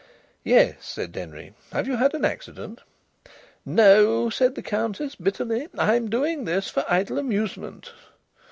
"Yes," said Denry. "Have you had an accident?" "No," said the Countess, bitterly: "I'm doing this for idle amusement."